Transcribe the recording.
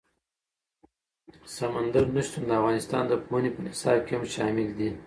سمندر نه شتون د افغانستان د پوهنې په نصاب کې هم شامل دي.